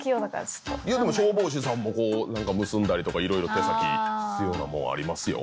でも消防士さんもこう何か結んだりとかいろいろ手先必要なものありますよ。